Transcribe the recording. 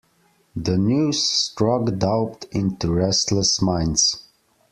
The news struck doubt into restless minds.